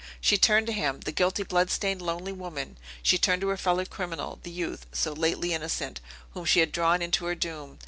She turned to him, the guilty, bloodstained, lonely woman, she turned to her fellow criminal, the youth, so lately innocent, whom she had drawn into her doom.